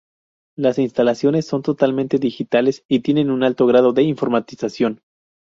Las instalaciones son totalmente digitales y tienen un alto grado de informatización.